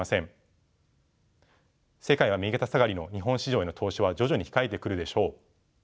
世界は右肩下がりの日本市場への投資は徐々に控えてくるでしょう。